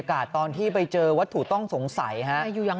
ไม่ได้ท่าน